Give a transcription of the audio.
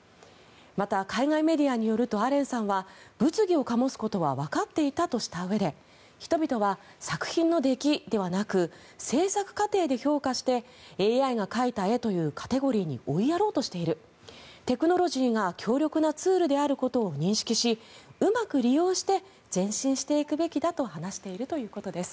また、海外メディアによるとアレンさんは物議を醸すことはわかっていたとしたうえで人々は作品の出来ではなく制作過程で評価してＡＩが描いた絵というカテゴリーに追いやろうとしているテクノロジーが強力なツールであることを認識しうまく利用して前進していくべきだと話しているということです。